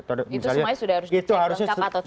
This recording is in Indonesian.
itu semuanya sudah harus di cek lengkap atau tidak